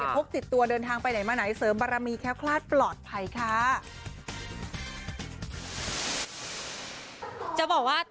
พกติดตัวเดินทางไปไหนมาไหนเสริมบารมีแค้วคลาดปลอดภัยค่ะ